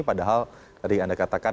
padahal tadi anda katakan